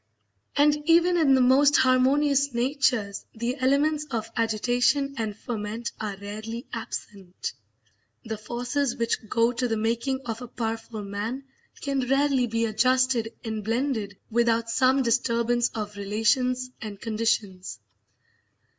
And even in the most harmonious natures the elements of agitation and ferment are rarely absent. The forces which go to the making of a powerful man can rarely be adjusted and blended without some disturbance of relations and conditions.